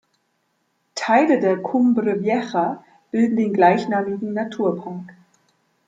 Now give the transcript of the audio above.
Teile der Cumbre Vieja bilden den gleichnamigen Naturpark.